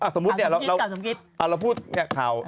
สมมุติเนี่ยเราพูดข่าว